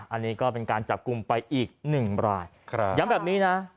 อันนี้ก็เป็นการจับกลุ่มไปอีกหนึ่งรายครับย้ำแบบนี้นะ